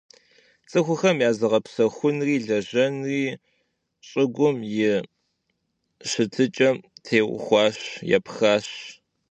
Ts'ıxuxem ya zığepsexunri lejenri ş'ıgum yi şıtıç'em têuxuaş, yêpxaş.